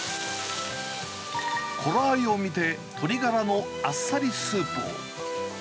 頃合いを見て、鶏ガラのあっさりスープを。